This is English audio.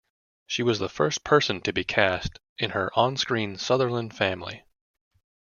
She was the first person to be cast in her on screen "Sutherland" family.